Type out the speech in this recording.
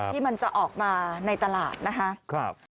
ที่มันจะออกมาในตลาดนะคะ